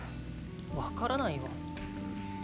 分からないよ。